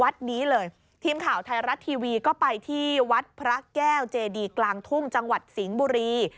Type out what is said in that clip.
ทีมข่าวไทยรัตน์ทีวีก็ไปที่วัดพระแก้วเจดีกลางทุ่งจังหวัดสิงบุรี